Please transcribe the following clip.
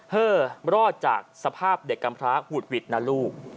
รอดจากสภาพเด็กกำพระหุดหวิดนะลูก